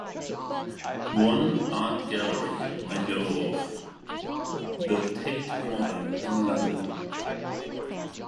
One art gallery I know of is the Tate Modern in London.